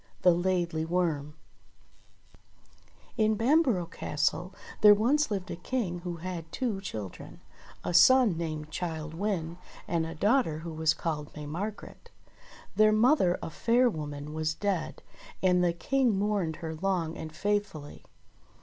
THE LAIDLY WORM IN Bamborough Castle there once lived a King who had two children, a son named Childe Wynde, and a daugh ter who was called May Margret. Their mother, a fair woman, was dead, and the King mourned her long and faithfully.